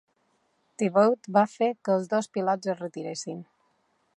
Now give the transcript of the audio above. Devote va fer que els dos pilots es retiressin.